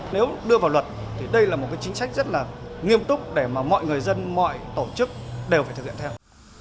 nếu đưa vào luật thì đây là một chính sách rất nghiêm túc để mọi người dân mọi tổ chức đều phải thực hiện theo